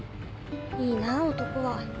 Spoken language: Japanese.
いいなぁ男は。